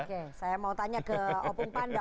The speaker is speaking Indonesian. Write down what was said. oke saya mau tanya ke opung panda